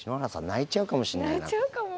泣いちゃうかも？